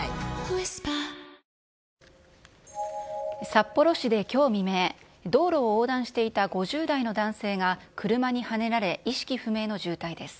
札幌市できょう未明、道路を横断していた５０代の男性が車にはねられ、意識不明の重体です。